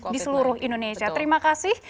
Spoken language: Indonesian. di seluruh indonesia terima kasih